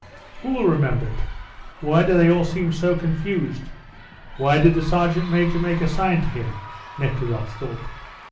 "Who will remember it? Why do they all seem so confused? Why did the sergeant major make a sign to him?" Nekhludoff thought.